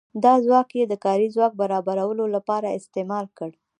دا ځواک یې د کاري ځواک برابرولو لپاره استعمال کړ.